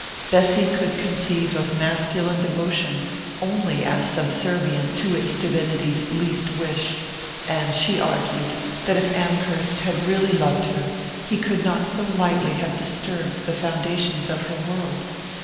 Bessy could conceive of masculine devotion only as subservient to its divinity's least wish, and she argued that if Amherst had really loved her he could not so lightly have disturbed the foundations of her world.